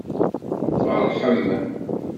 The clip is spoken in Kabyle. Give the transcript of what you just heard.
Tfeṛḥem.